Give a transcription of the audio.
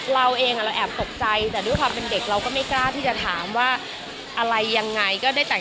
เราเองเราแอบตกใจแต่ด้วยความเป็นเด็กเราก็ไม่กล้าที่จะถามว่าอะไรยังไงก็ได้แต่ง